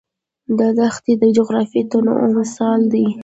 دا دښتې د جغرافیوي تنوع مثال دی.